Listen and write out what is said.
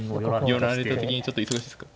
寄られた時にちょっと忙しいですか。